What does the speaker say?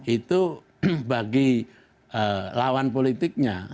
itu bagi lawan politiknya